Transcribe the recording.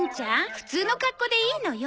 普通の格好でいいのよ。